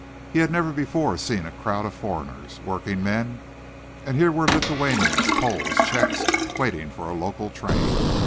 He had never before seen a crowd of foreigners working men and here were Lithuanians, Poles, Czechs, waiting for a local train.